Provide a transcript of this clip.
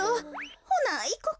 ほないこか？